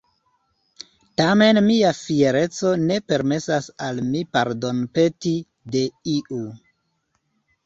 Tamen mia fiereco ne permesas al mi pardonpeti de iu.